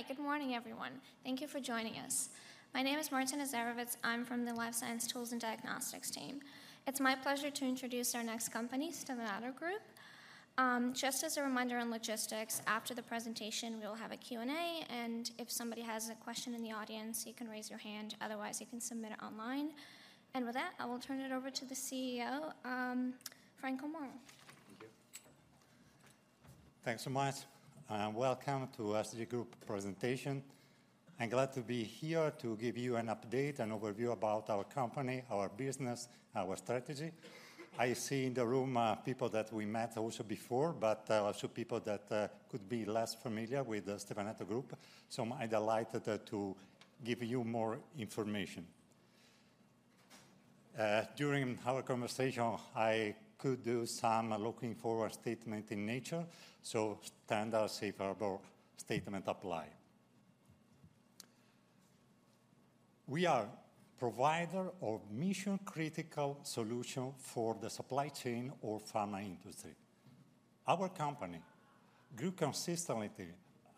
All right. Good morning, everyone. Thank you for joining us. My name is Martina Czerevitz. I'm from the Life Science Tools and Diagnostics team. It's my pleasure to introduce our next company, Stevanato Group. Just as a reminder on logistics, after the presentation, we'll have a Q&A, and if somebody has a question in the audience, you can raise your hand, otherwise you can submit it online. And with that, I will turn it over to the CEO, Franco Moro. Thank you. Thanks so much, and welcome to Stevanato Group presentation. I'm glad to be here to give you an update and overview about our company, our business, our strategy. I see in the room, people that we met also before, but, also people that, could be less familiar with the Stevanato Group, so I'm delighted to give you more information. During our conversation, I could do some forward-looking statements in nature, so standard safe harbor statements apply. We are provider of mission-critical solution for the supply chain of pharma industry. Our company grew consistently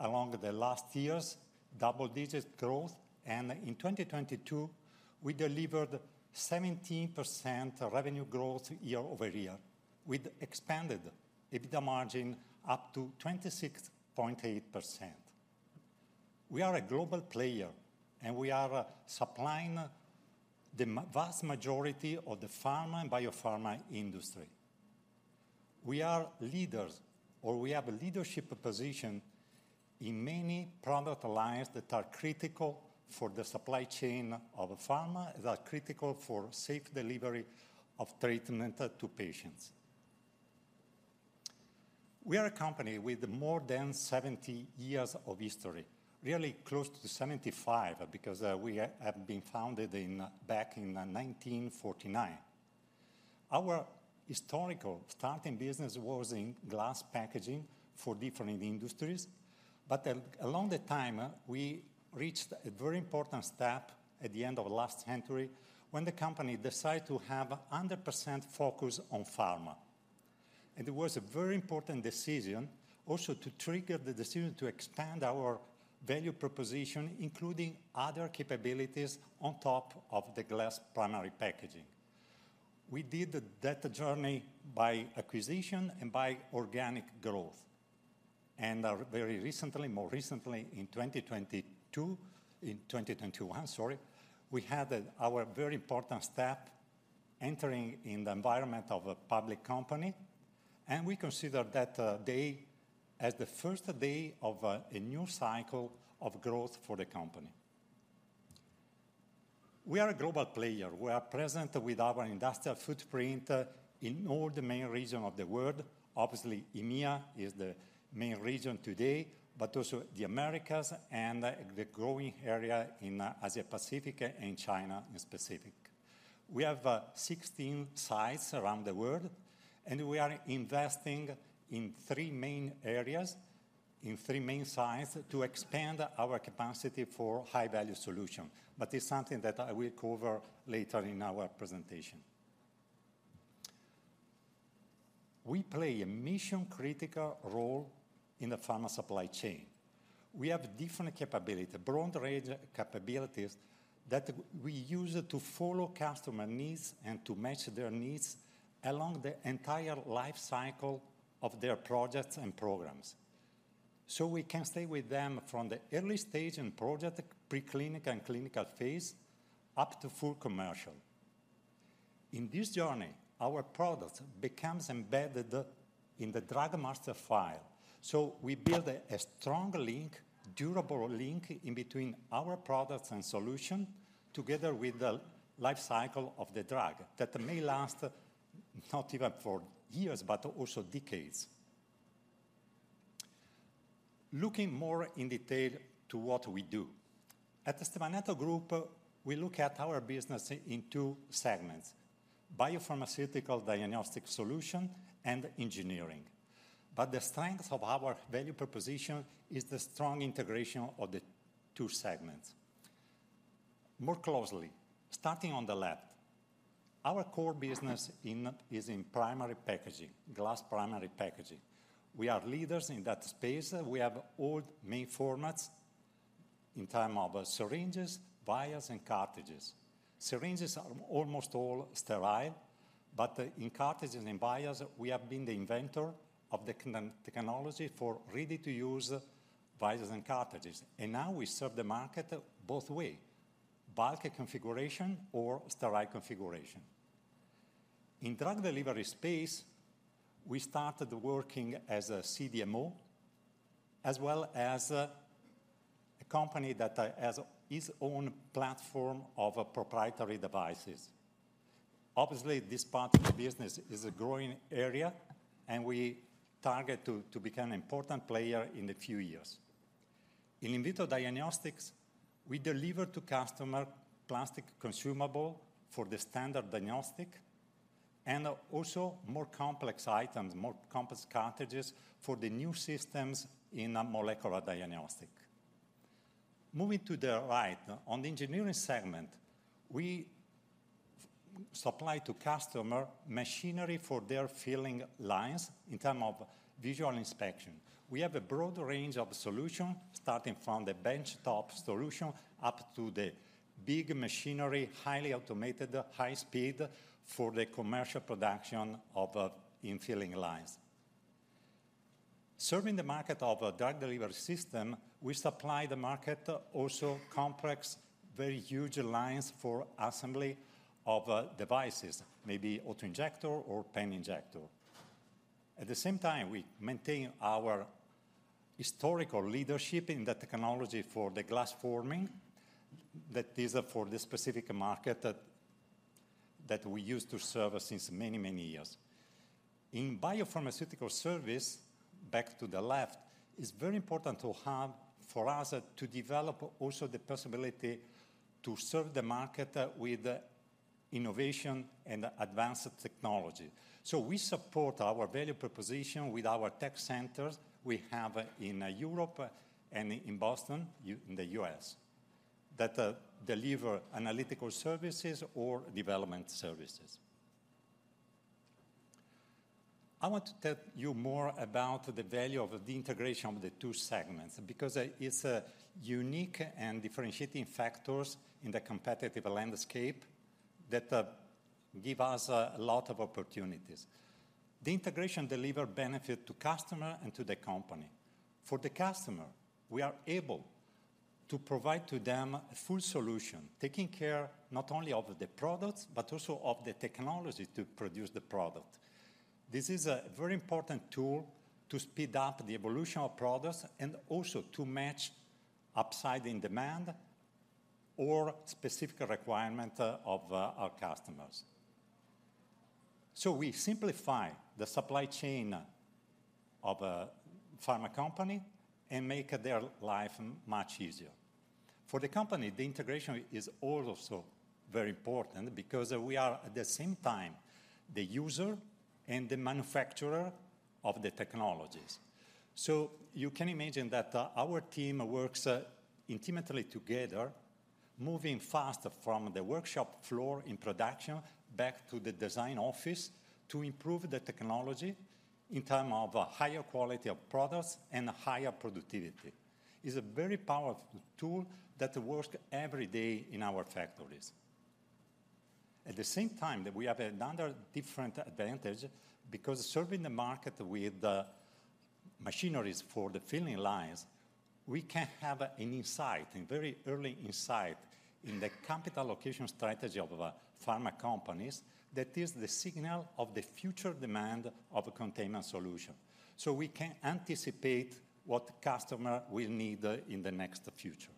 along the last years, double-digit growth, and in 2022, we delivered 17% revenue growth year-over-year, with expanded EBITDA margin up to 26.8%. We are a global player, and we are supplying the vast majority of the pharma and biopharma industry. We are leaders, or we have a leadership position in many product lines that are critical for the supply chain of pharma, that are critical for safe delivery of treatment to patients. We are a company with more than 70 years of history, really close to 75, because, we have been founded in, back in 1949. Our historical starting business was in glass packaging for different industries, but along the time, we reached a very important step at the end of last century, when the company decided to have 100% focus on pharma. It was a very important decision also to trigger the decision to expand our value proposition, including other capabilities on top of the glass primary packaging. We did that journey by acquisition and by organic growth, and, very recently, more recently, in 2022, in 2021, sorry, we had our very important step entering in the environment of a public company, and we consider that day as the first day of a new cycle of growth for the company. We are a global player. We are present with our industrial footprint in all the main region of the world. Obviously, EMEA is the main region today, but also the Americas and the growing area in Asia-Pacific and China in specific. We have 16 sites around the world, and we are investing in three main areas, in three main sites, to expand our capacity for high-value solution. But it's something that I will cover later in our presentation. We play a mission-critical role in the pharma supply chain. We have different capability, broad range of capabilities, that we use to follow customer needs and to match their needs along the entire life cycle of their projects and programs. So we can stay with them from the early stage in project, preclinical and clinical phase, up to full commercial. In this journey, our product becomes embedded in the Drug Master File, so we build a strong link, durable link, in between our products and solution, together with the life cycle of the drug, that may last not even for years, but also decades. Looking more in detail to what we do. At the Stevanato Group, we look at our business in two segments: Biopharmaceutical and Diagnostic Solutions and Engineering. But the strength of our value proposition is the strong integration of the two segments. More closely, starting on the left, our core business in, is in primary packaging, glass primary packaging. We are leaders in that space. We have all main formats in terms of syringes, vials, and cartridges. Syringes are almost all sterile, but in cartridges and vials, we have been the inventor of the containment technology for ready-to-use vials and cartridges, and now we serve the market both ways: bulk configuration or sterile configuration. In drug delivery space, we started working as a CDMO, as well as a company that has its own platform of proprietary devices. Obviously, this part of the business is a growing area, and we target to become an important player in a few years. In-vitro Diagnostics, we deliver to customer plastic consumable for the standard diagnostics and also more complex items, more complex cartridges, for the new systems in molecular diagnostics. Moving to the right, on the engineering segment, we supply to customer machinery for their filling lines in terms of visual inspection. We have a broad range of solutions, starting from the benchtop solution up to the big machinery, highly automated, high speed for the commercial production of in filling lines. Serving the market of a drug delivery system, we supply the market also complex, very huge lines for assembly of devices, maybe autoinjector or pen injector. At the same time, we maintain our historical leadership in the technology for the glass forming. That is for the specific market that, that we used to serve since many, many years. In Biopharmaceutical service, back to the left, it's very important to have, for us to develop also the possibility to serve the market with innovation and advanced technology. So we support our value proposition with our tech centers we have in Europe and in Boston, in the US, that deliver analytical services or development services. I want to tell you more about the value of the integration of the two segments, because it's a unique and differentiating factors in the competitive landscape that give us a lot of opportunities. The integration deliver benefit to customer and to the company. For the customer, we are able to provide to them a full solution, taking care not only of the products, but also of the technology to produce the product. This is a very important tool to speed up the evolution of products, and also to match upside in demand or specific requirement of our customers. So we simplify the supply chain of a pharma company and make their life much easier. For the company, the integration is also very important because we are, at the same time, the user and the manufacturer of the technologies. So you can imagine that, our team works, intimately together, moving faster from the workshop floor in production back to the design office to improve the technology in term of a higher quality of products and a higher productivity. Is a very powerful tool that work every day in our factories. At the same time, that we have another different advantage, because serving the market with, machineries for the filling lines, we can have an insight, a very early insight, in the capital allocation strategy of, pharma companies. That is the signal of the future demand of a container solution, so we can anticipate what customer will need, in the next future.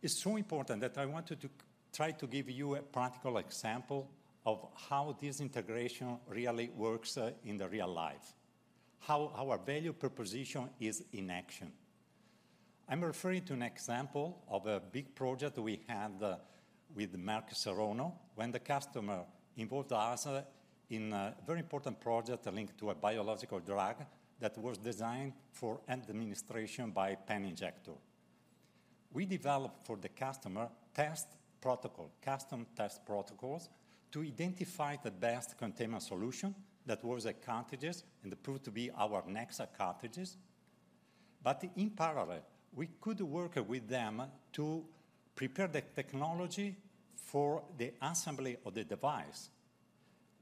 It's so important that I wanted to try to give you a practical example of how this integration really works, in the real life, how our value proposition is in action. I'm referring to an example of a big project we had, with Merck Serono, when the customer involved us in a very important project linked to a biological drug that was designed for administration by pen injector. We developed for the customer test protocol, custom test protocols, to identify the best containment solution that was a cartridges and proved to be our Nexa cartridges. But in parallel, we could work with them to prepare the technology for the assembly of the device.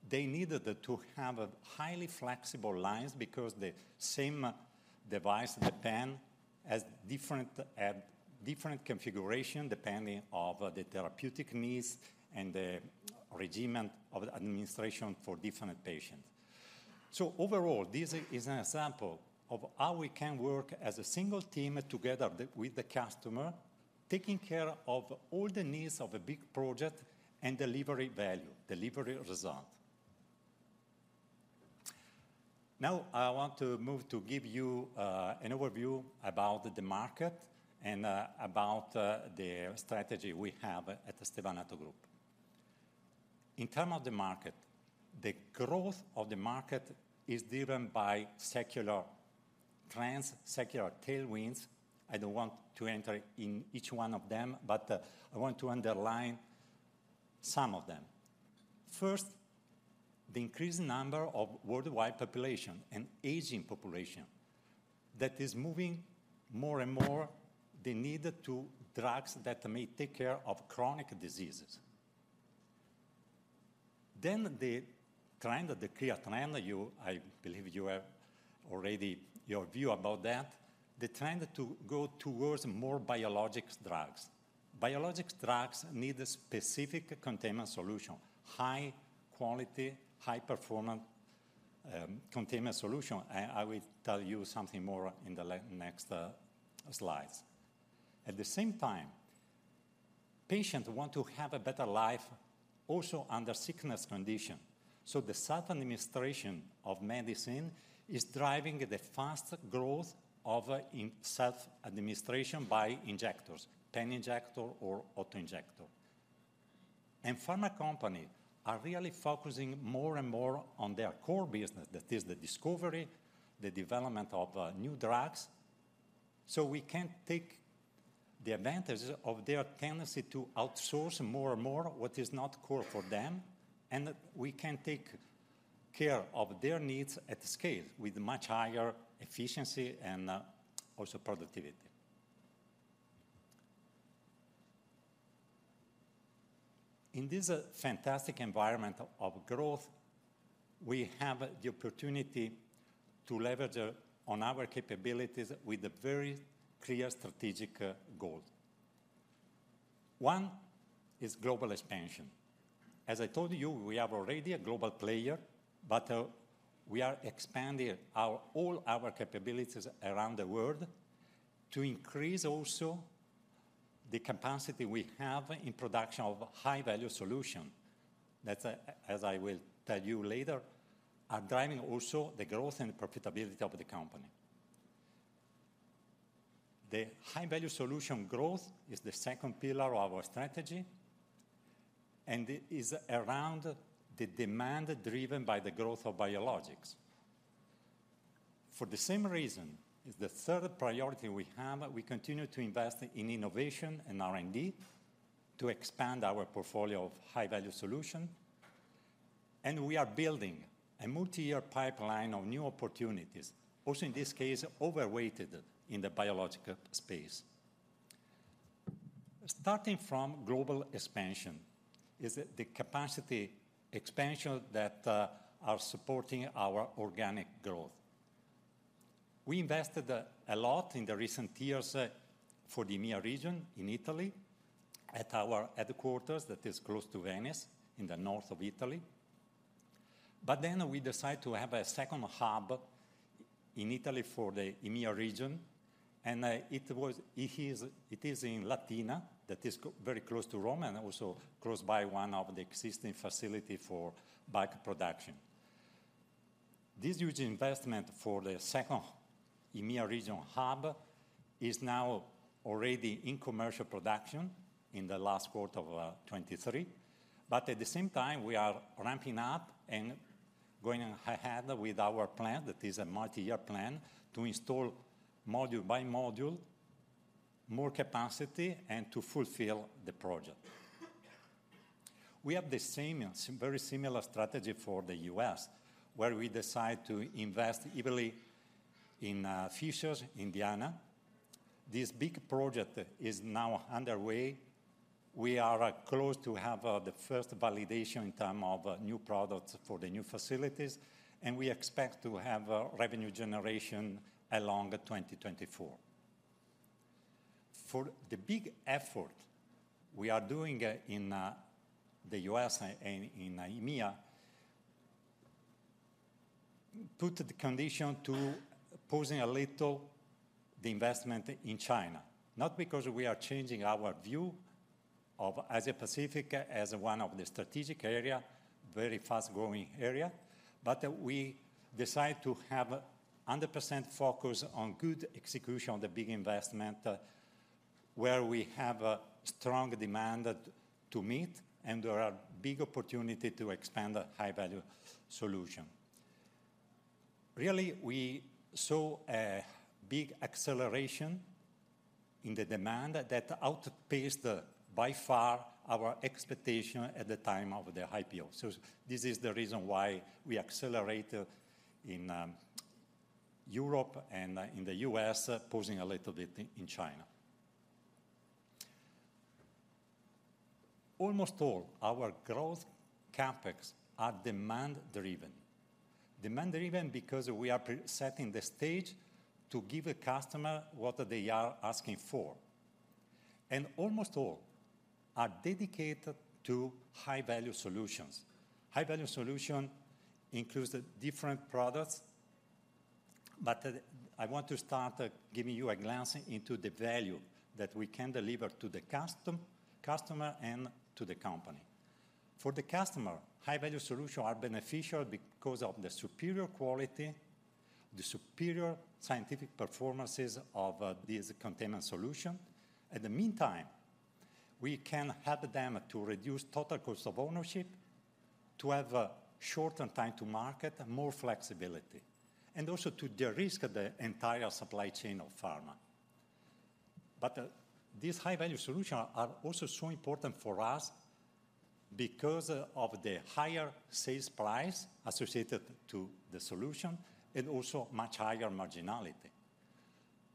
They needed to have a highly flexible lines because the same device, the pen, has different, different configuration depending of the therapeutic needs and the regimen of administration for different patients. So overall, this is an example of how we can work as a single team together with the customer, taking care of all the needs of a big project and delivery value, delivery result. Now, I want to move to give you an overview about the market and about the strategy we have at the Stevanato Group. In terms of the market, the growth of the market is driven by secular trends, secular tailwinds. I don't want to enter in each one of them, but I want to underline some of them. First, the increased number of worldwide population and aging population that is moving more and more the need to drugs that may take care of chronic diseases. Then the trend, the clear trend, you I believe you have already your view about that, the trend to go towards more biologics drugs. Biologics drugs need a specific containment solution, high quality, high performance, containment solution, and I will tell you something more in the next slides. At the same time, patients want to have a better life also under sickness condition, so the self-administration of medicine is driving the fast growth of self-administration by injectors, pen injector or autoinjector. Pharma company are really focusing more and more on their core business, that is the discovery, the development of new drugs. So we can take the advantages of their tendency to outsource more and more what is not core for them, and we can take care of their needs at scale with much higher efficiency and also productivity. In this fantastic environment of growth, we have the opportunity to leverage on our capabilities with a very clear strategic goal. One is global expansion. As I told you, we are already a global player, but we are expanding all our capabilities around the world to increase also the capacity we have in production of high-value solution. That, as I will tell you later, are driving also the growth and profitability of the company. The high-value solution growth is the second pillar of our strategy, and it is around the demand driven by the growth of biologics. For the same reason, is the third priority we have, we continue to invest in innovation and R&D to expand our portfolio of high-value solution, and we are building a multi-year pipeline of new opportunities, also in this case, overweighted in the biological space. Starting from global expansion, is the capacity expansion that are supporting our organic growth. We invested a lot in the recent years for the EMEA region in Italy, at our headquarters that is close to Venice, in the north of Italy. But then we decided to have a second hub in Italy for the EMEA region, and it is, it is in Latina, that is very close to Rome, and also close by one of the existing facility for bag production. This huge investment for the second EMEA regional hub is now already in commercial production in the last quarter of 2023. But at the same time, we are ramping up and going ahead with our plan, that is a multi-year plan, to install module by module, more capacity and to fulfill the project. We have the same, very similar strategy for the U.S., where we decide to invest heavily in Fishers, Indiana. This big project is now underway. We are close to have the first validation in terms of new products for the new facilities, and we expect to have revenue generation along 2024. For the big effort we are doing in the U.S. and in EMEA, put the condition to pausing a little the investment in China. Not because we are changing our view of Asia-Pacific as one of the strategic area, very fast-growing area, but we decide to have 100% focus on good execution on the big investment where we have a strong demand to meet, and there are big opportunity to expand the high-value solution. Really, we saw a big acceleration in the demand that outpaced by far our expectation at the time of the IPO. So this is the reason why we accelerated in Europe and in the U.S., pausing a little bit in China. Almost all our growth CapEx are demand-driven. Demand-driven because we are setting the stage to give a customer what they are asking for, and almost all are dedicated to high-value solutions. High-value solution includes the different products, but I want to start giving you a glance into the value that we can deliver to the customer and to the company. For the customer, high-value solutions are beneficial because of the superior quality, the superior scientific performances of these containment solution. In the meantime, we can help them to reduce total cost of ownership, to have shortened time to market, more flexibility, and also to de-risk the entire supply chain of pharma. But this high-value solution are also so important for us because of the higher sales price associated to the solution and also much higher marginality.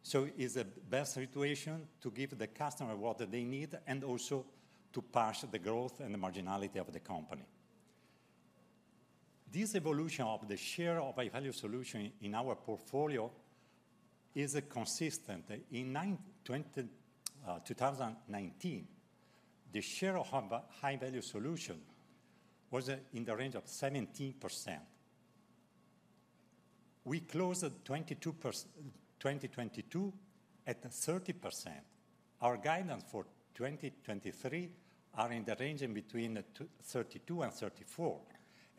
So it's the best situation to give the customer what they need and also to push the growth and the marginality of the company. This evolution of the share of high-value solution in our portfolio is consistent. In 2019, the share of high-value solution was in the range of 17%. We closed 2022 at 30%. Our guidance for 2023 are in the range in between 32%-34%,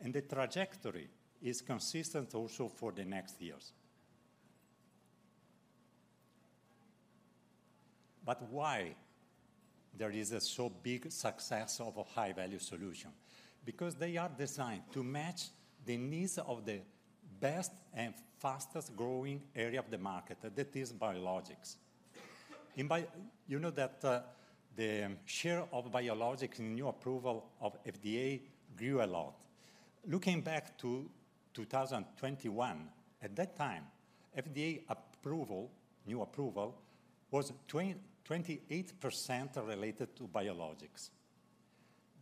and the trajectory is consistent also for the next years. But why there is a so big success of a high-value solution? Because they are designed to match the needs of the best and fastest-growing area of the market, that is biologics. In biologics, you know, that, the share of biologics in new approval of FDA grew a lot. Looking back to 2021, at that time, FDA approval, new approval, was twenty-eight percent related to biologics.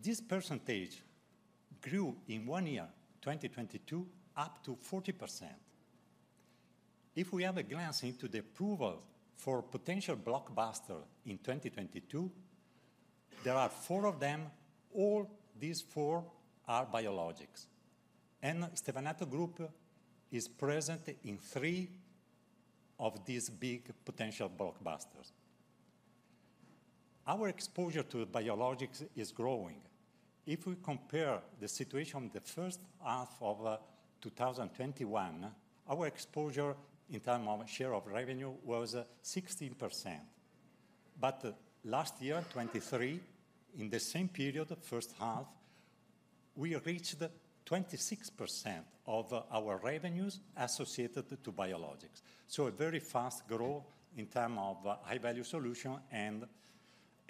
This percentage grew in one year, 2022, up to 40%. If we have a glance into the approval for potential blockbuster in 2022, there are four of them. All these four are biologics, and Stevanato Group is present in three of these big potential blockbusters. Our exposure to biologics is growing. If we compare the situation the first half of 2021, our exposure in term of share of revenue was 16%. But last year, 2023, in the same period, first half, we reached 26% of our revenues associated to biologics. So a very fast growth in term of high-value solution and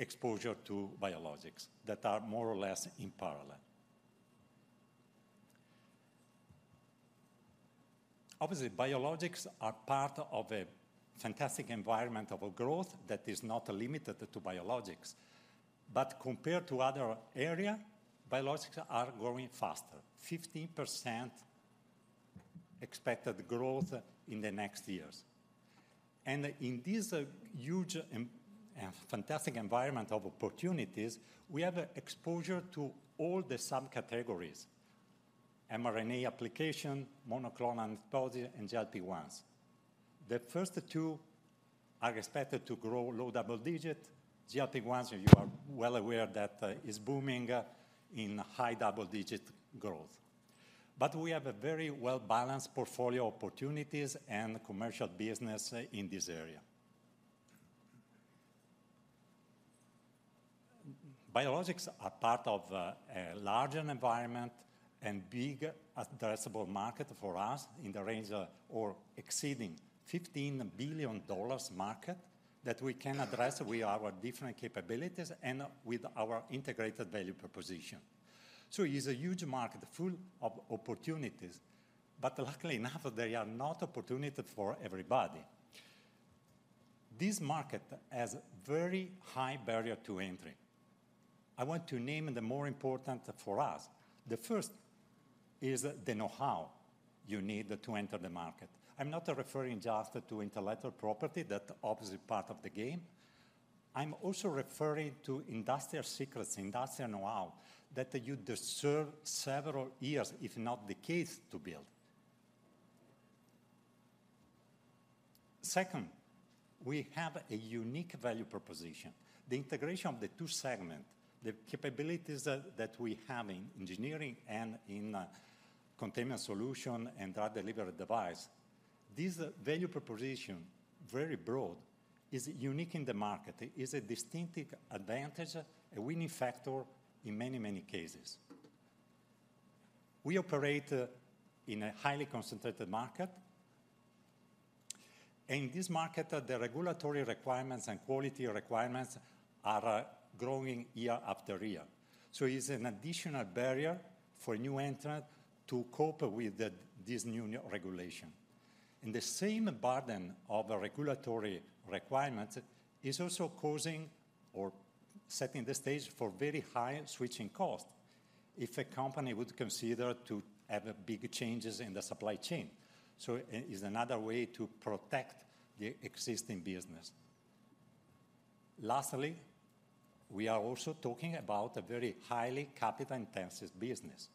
exposure to biologics that are more or less in parallel. Obviously, biologics are part of a fantastic environment of growth that is not limited to biologics. But compared to other area, biologics are growing faster, 15% expected growth in the next years. And in this huge and fantastic environment of opportunities, we have exposure to all the subcategories: mRNA application, monoclonal antibody, and GLP-1s. The first two are expected to grow low double-digit. GLP-1s, you are well aware that, is booming in high double-digit growth. But we have a very well-balanced portfolio opportunities and commercial business in this area. Biologics are part of a larger environment and big addressable market for us in the range of or exceeding $15 billion market that we can address with our different capabilities and with our integrated value proposition. So it's a huge market full of opportunities, but luckily enough, they are not opportunity for everybody. This market has very high barrier to entry. I want to name the more important for us. The first is the know-how you need to enter the market. I'm not referring just to intellectual property, that obvious part of the game. I'm also referring to industrial secrets, industrial know-how, that you deserve several years, if not decades, to build. Second, we have a unique value proposition. The integration of the two segments, the capabilities that we have in engineering and in containment solution and drug delivery device, this value proposition, very broad, is unique in the market. It's a distinctive advantage, a winning factor in many, many cases. We operate in a highly concentrated market, and in this market, the regulatory requirements and quality requirements are growing year after year. So it's an additional barrier for a new entrant to cope with this new regulation. And the same burden of regulatory requirements is also causing or setting the stage for very high switching cost if a company would consider to have big changes in the supply chain. So it is another way to protect the existing business. Lastly, we are also talking about a very highly capital-intensive business.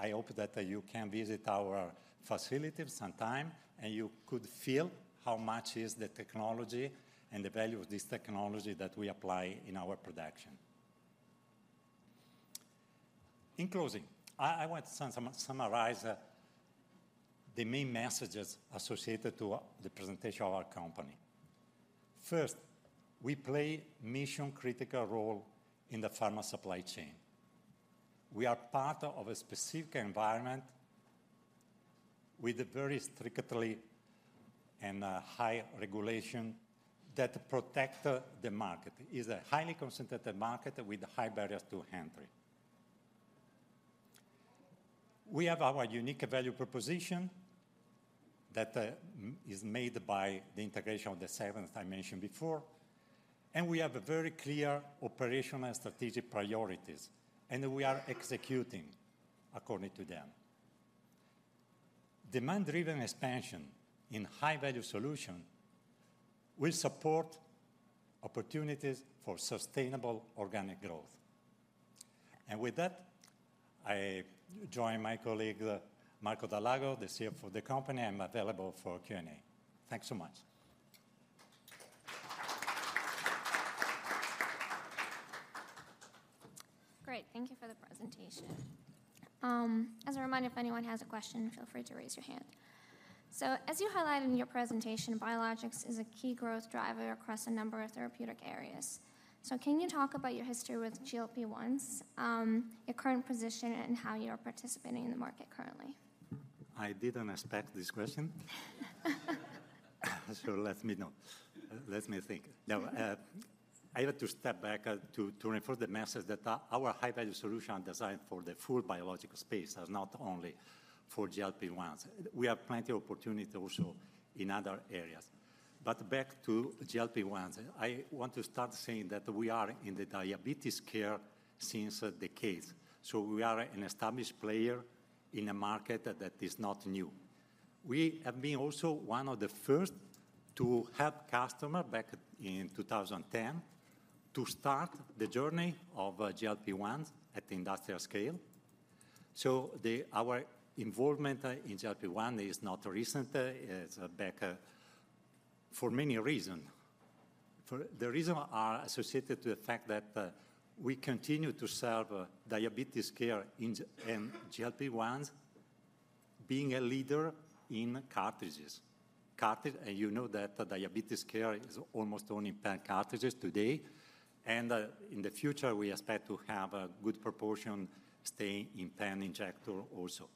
I hope that you can visit our facility sometime, and you could feel how much is the technology and the value of this technology that we apply in our production. In closing, I want to summarize the main messages associated to the presentation of our company. First, we play mission-critical role in the pharma supply chain. We are part of a specific environment with a very strictly and high regulation that protect the market. It's a highly concentrated market with high barriers to entry. We have our unique value proposition that is made by the integration of the segments I mentioned before, and we have a very clear operational and strategic priorities, and we are executing according to them. Demand-driven expansion in high-value solution will support opportunities for sustainable organic growth. With that, I join my colleague, Marco Dal Lago, the CFO of the company. I'm available for Q&A. Thanks so much. Great. Thank you for the presentation. As a reminder, if anyone has a question, feel free to raise your hand. As you highlighted in your presentation, biologics is a key growth driver across a number of therapeutic areas. Can you talk about your history with GLP-1s, your current position, and how you're participating in the market currently? I didn't expect this question. So let me think. Now, I have to step back to reinforce the message that our high-value solution designed for the full biological space is not only for GLP-1s. We have plenty of opportunity also in other areas. But back to GLP-1s, I want to start saying that we are in the diabetes care since decades, so we are an established player in a market that is not new. We have been also one of the first to help customer back in 2010 to start the journey of GLP-1s at industrial scale. So our involvement in GLP-1 is not recent, it's back for many reason. For the reason are associated to the fact that we continue to serve diabetes care in GLP-1s, being a leader in cartridges. Cartridges, and you know that diabetes care is almost only pen cartridges today, and, in the future, we expect to have a good proportion staying in pen injector also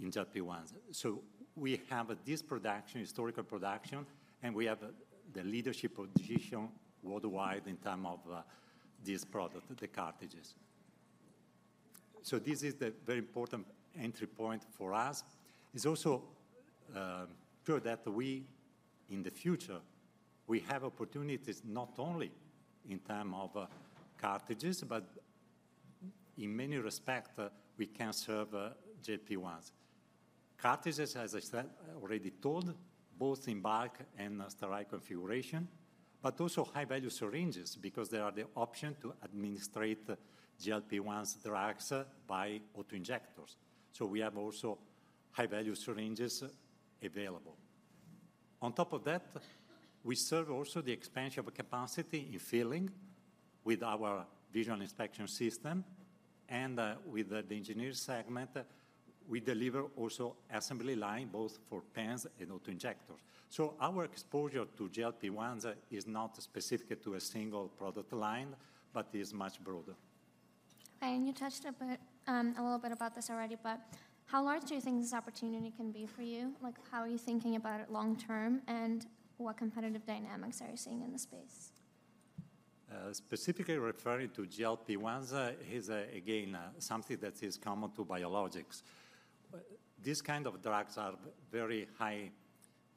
in GLP-1s. So we have this production, historical production, and we have the leadership position worldwide in terms of, this product, the cartridges. So this is the very important entry point for us. It's also, true that we, in the future, we have opportunities not only in terms of, cartridges, but in many respects, we can serve, GLP-1s. Cartridges, as I said, already told, both in bulk and sterile configuration, but also high-value syringes because they are the option to administrate GLP-1s drugs by auto-injectors. So we have also high-value syringes available. On top of that, we serve also the expansion of capacity in filling with our visual inspection system and, with the engineering segment, we deliver also assembly line, both for pens and auto-injectors. So our exposure to GLP-1s is not specific to a single product line, but is much broader. You touched a bit, a little bit about this already, but how large do you think this opportunity can be for you? Like, how are you thinking about it long term, and what competitive dynamics are you seeing in the space? Specifically referring to GLP-1s is, again, something that is common to biologics. These kind of drugs are very high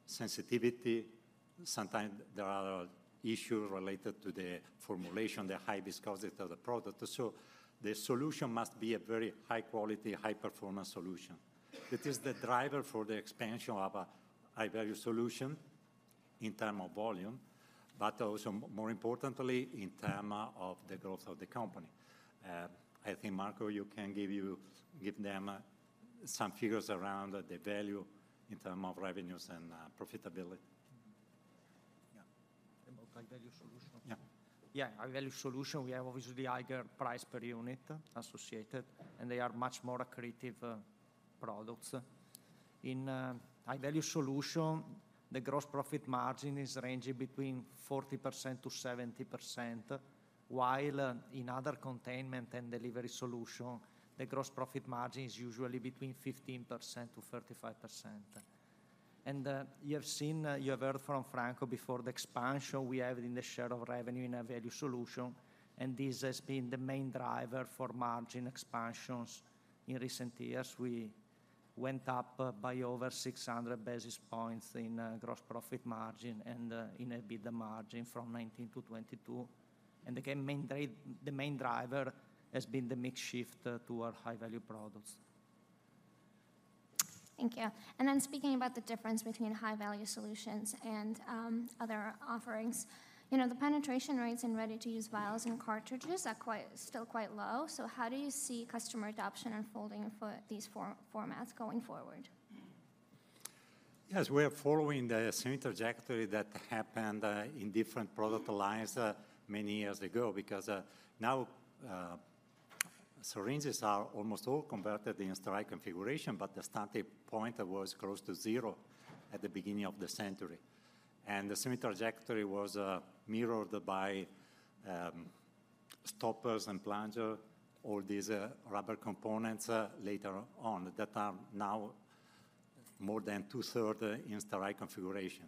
sensitivity. Sometimes there are issues related to the formulation, the high viscosity of the product. So the solution must be a very high quality, high performance solution. It is the driver for the expansion of a high-value solution in term of volume, but also more importantly, in term of the growth of the company. I think, Marco, you can give them some figures around the value in term of revenues and profitability. Yeah. About high-value solution? Yeah. Yeah, high-value solution, we have obviously higher price per unit associated, and they are much more accretive products. In high-value Solution, the gross profit margin is ranging between 40%-70%, while in other containment and delivery solution, the gross profit margin is usually between 15%-35%. And you have seen, you have heard from Franco before, the expansion we have in the share of revenue in a value solution, and this has been the main driver for margin expansions in recent years. We went up by over 600 basis points in gross profit margin and in EBITDA margin from 2019 to 2022. And again, the main driver has been the mix shift to our high-value products. Thank you. Speaking about the difference between high-value solutions and other offerings, you know, the penetration rates in ready-to-use vials and cartridges are still quite low. So how do you see customer adoption unfolding for these formats going forward? Yes, we are following the same trajectory that happened in different product lines many years ago. Because now syringes are almost all converted in sterile configuration, but the starting point was close to zero at the beginning of the century. And the same trajectory was mirrored by stoppers and plunger, all these rubber components later on, that are now more than two-thirds in sterile configuration.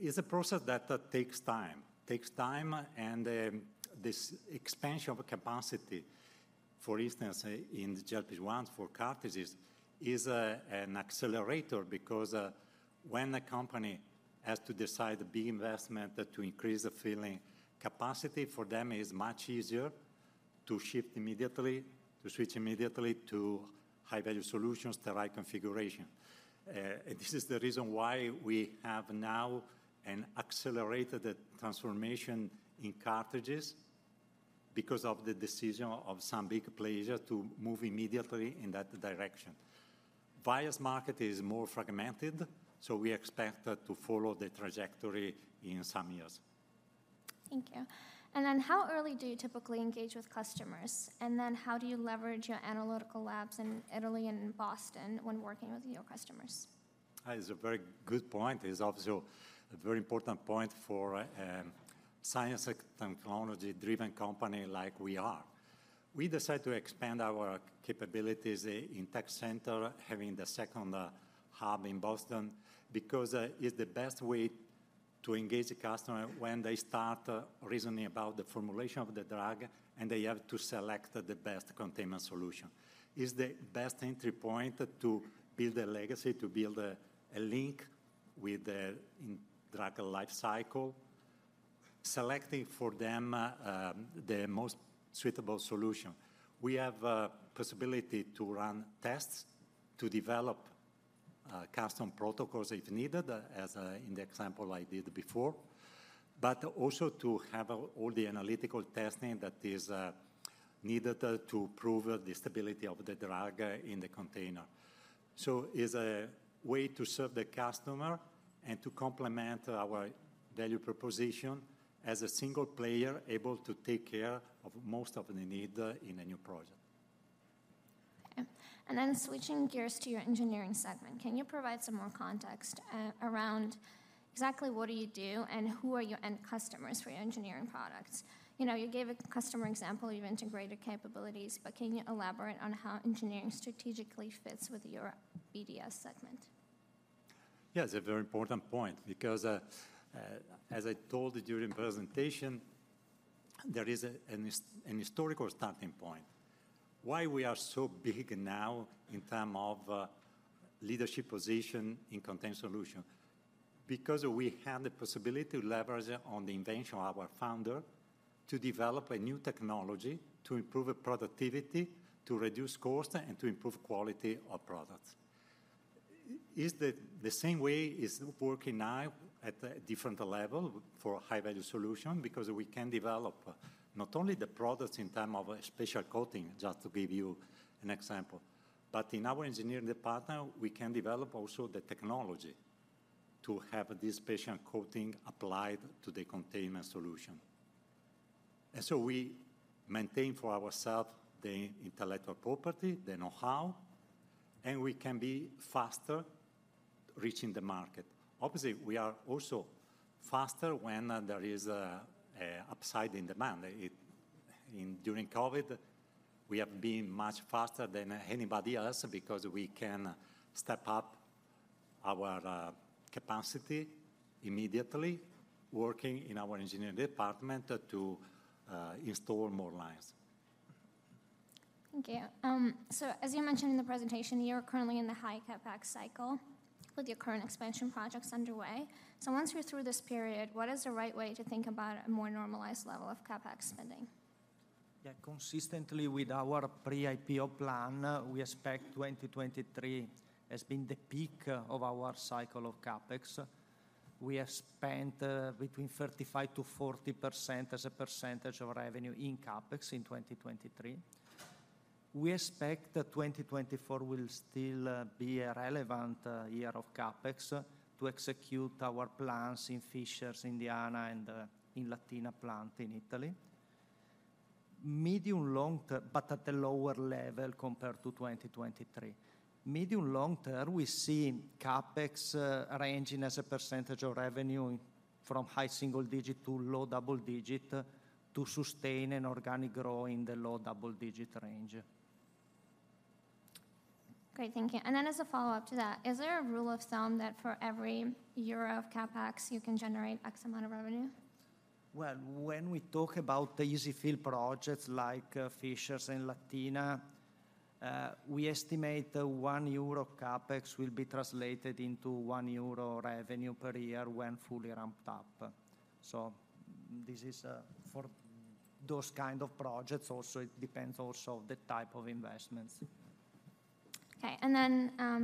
It's a process that takes time. Takes time, and this expansion of capacity, for instance, in the GLP-1s for cartridges, is an accelerator because when a company has to decide a big investment to increase the filling capacity, for them it's much easier to shift immediately, to switch immediately to high-value solutions, the right configuration. This is the reason why we have now an accelerated transformation in cartridges because of the decision of some big players to move immediately in that direction. Vials market is more fragmented, so we expect that to follow the trajectory in some years. Thank you. How early do you typically engage with customers? How do you leverage your analytical labs in Italy and in Boston when working with your customers? That is a very good point. It's obviously a very important point for, science and technology-driven company like we are. We decided to expand our capabilities in tech center, having the second hub in Boston, because, it's the best way to engage the customer when they start reasoning about the formulation of the drug, and they have to select the best containment solution. It's the best entry point to build a legacy, to build a link with the drug life cycle, selecting for them, the most suitable solution. We have a possibility to run tests, to develop, custom protocols if needed, as in the example I did before, but also to have all the analytical testing that is needed to prove the stability of the drug in the container. It's a way to serve the customer and to complement our value proposition as a single player able to take care of most of the need in a new project. Okay. Switching gears to your engineering segment, can you provide some more context around exactly what do you do and who are your end customers for your engineering products? You know, you gave a customer example, you mentioned greater capabilities, but can you elaborate on how engineering strategically fits with your BDS segment? Yeah, it's a very important point because as I told you during presentation, there is an historical starting point. Why we are so big now in terms of leadership position in containment solution? Because we have the possibility to leverage on the invention of our founder to develop a new technology, to improve productivity, to reduce cost, and to improve quality of products. It's the same way is working now at a different level for high-value solution, because we can develop not only the products in terms of a special coating, just to give you an example, but in our engineering department, we can develop also the technology to have this special coating applied to the containment solution. And so we maintain for ourselves the intellectual property, the know-how, and we can be faster reaching the market. Obviously, we are also faster when there is an upside in demand. Indeed during COVID, we have been much faster than anybody else because we can step up our capacity immediately, working in our engineering department to install more lines. Thank you. So as you mentioned in the presentation, you're currently in the high CapEx cycle with your current expansion projects underway. So once we're through this period, what is the right way to think about a more normalized level of CapEx spending? Yeah, consistently with our pre-IPO plan, we expect 2023 as being the peak of our cycle of CapEx. We have spent, between 35%-40% as a percentage of revenue in CapEx in 2023. We expect that 2024 will still, be a relevant, year of CapEx to execute our plans in Fishers, Indiana, and, in Latina plant in Italy. Medium long term, but at a lower level compared to 2023. Medium long term, we see CapEx, ranging as a percentage of revenue from high single digit to low double digit to sustain an organic growth in the low double-digit range. Great, thank you. Then as a follow-up to that, is there a rule of thumb that for every euro of CapEx, you can generate X amount of revenue? Well, when we talk about the EZ-fill projects like Fishers and Latina, we estimate 1 euro CapEx will be translated into 1 euro revenue per year when fully ramped up. So this is, for those kind of projects, also, it depends also on the type of investments. Okay.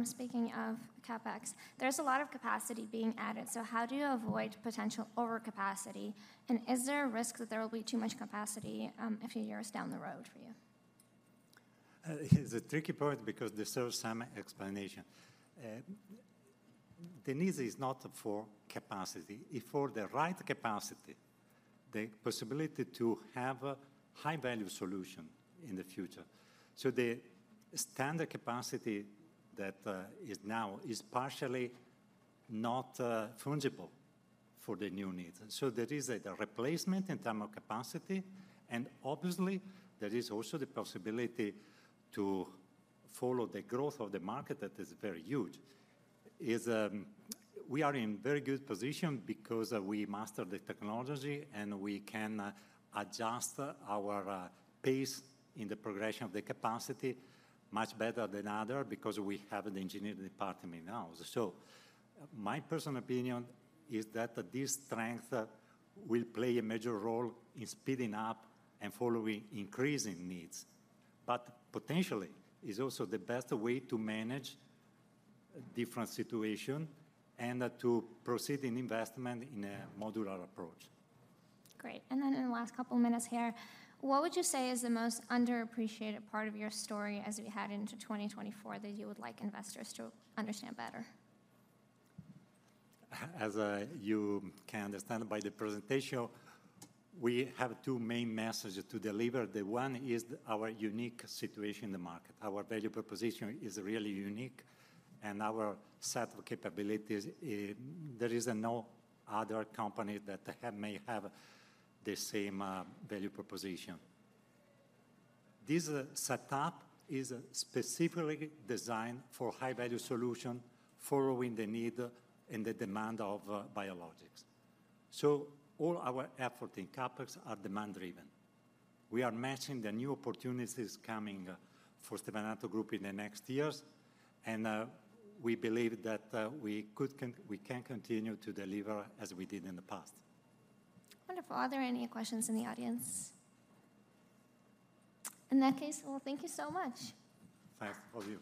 Speaking of CapEx, there's a lot of capacity being added, so how do you avoid potential overcapacity, and is there a risk that there will be too much capacity a few years down the road for you? It's a tricky point because this deserves some explanation. The need is not for capacity, it's for the right capacity, the possibility to have a high-value solution in the future. So the standard capacity that is now is partially not fungible for the new needs. So there is a replacement in term of capacity, and obviously, there is also the possibility to follow the growth of the market that is very huge. We are in very good position because we master the technology, and we can adjust our pace in the progression of the capacity much better than other, because we have an engineering department in-house. My personal opinion is that this strength will play a major role in speeding up and following increasing needs, but potentially is also the best way to manage different situation and to proceed in investment in a modular approach. Great. And then in the last couple of minutes here, what would you say is the most underappreciated part of your story as we head into 2024 that you would like investors to understand better? As you can understand by the presentation, we have two main messages to deliver. The one is our unique situation in the market. Our value proposition is really unique, and our set of capabilities, there is no other company that may have the same value proposition. This setup is specifically designed for high-value solution, following the need and the demand of biologics. So all our effort in CapEx are demand driven. We are matching the new opportunities coming for Stevanato Group in the next years, and we believe that we can continue to deliver as we did in the past. Wonderful. Are there any questions in the audience? In that case, well, thank you so much. Thanks for your attention.